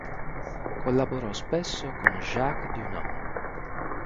Collaborò spesso con Jacques Dunant.